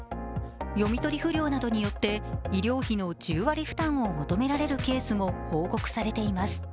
読み取り不良などによって医療費の１０割負担を求められるケースも報告されています。